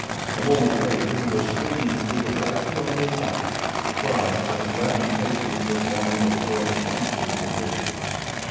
A moment later he was swinging through the black jungle night, the cries and lamentations of Momaya growing fainter in the distance.